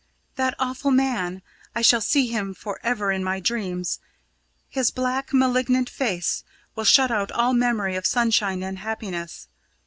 That awful man I shall see him for ever in my dreams. His black, malignant face will shut out all memory of sunshine and happiness.